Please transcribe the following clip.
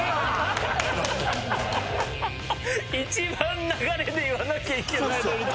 一番流れで言わなきゃいけないのに多分。